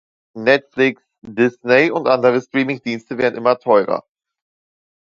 Netflix, Disney und andere Streaming-Dienste werden immer teurer.